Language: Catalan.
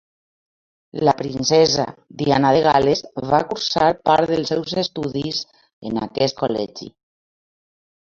La princesa Diana de Gal·les va cursar part dels seus estudis en aquest col·legi.